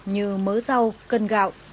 như mớ rau cân gạo